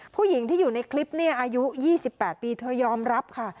ผู้หญิงที่อยู่ในคลิปนี้อายุ๒๘ปีเธอยอมรับค่ะ